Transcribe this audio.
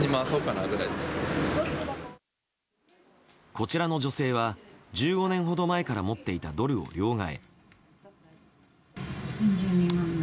こちらの女性は１５年ほど前から持っていたドルを両替。